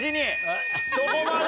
そこまで！